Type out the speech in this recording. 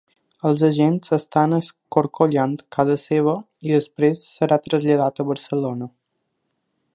Els agents estan escorcollant casa seva i després serà traslladat a Barcelona.